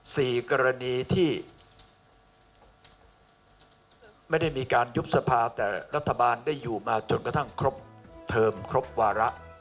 สี่กรณีที่ไม่ได้มีการยุบสภาแต่รัฐบาลได้อยู่มาจนกระทั่งครบเทอมครบวาระ